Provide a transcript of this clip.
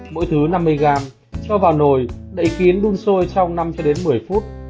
mỗi thứ năm mươi g cho vào nồi đầy kiến đun sôi trong năm một mươi phút